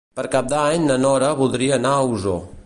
Per Cap d'Any na Nora voldria anar a Osor.